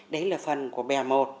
đấy là phần của bè một